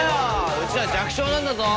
うちは弱小なんだぞ！